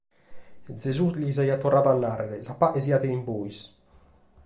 Gesùs ddis aiat torradu a nàrrere: «Sa paghe siat cun bois!»